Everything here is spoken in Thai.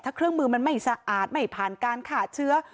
ถ้าเครื่องมือมันไม่สะอาดไม่ผ่านการฆ่าเชื้อ